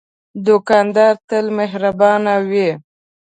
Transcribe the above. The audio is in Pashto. دوکاندار تل مهربان وي.